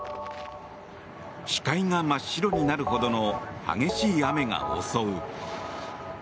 視界が真っ白になるほどの激しい雨が襲う。